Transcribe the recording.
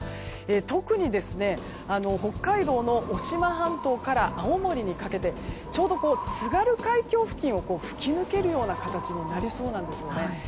特に北海道の渡島半島から青森にかけてちょうど津軽海峡付近を吹き抜けるような形になりそうなんですね。